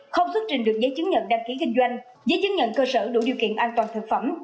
không xuất trình được giấy chứng nhận đăng ký kinh doanh giấy chứng nhận cơ sở đủ điều kiện an toàn thực phẩm